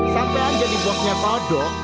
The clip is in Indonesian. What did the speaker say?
sampai aja di box nya kodok